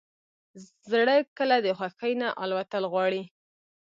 زړه کله د خوښۍ نه الوتل غواړي.